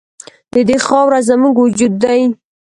د دې خاوره زموږ وجود دی؟